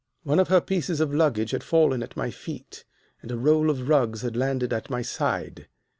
"One of her pieces of luggage had fallen at my feet, and a roll of rugs had landed at my side.